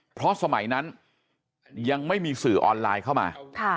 เพราะสมัยนั้นยังไม่มีสื่อออนไลน์เข้ามา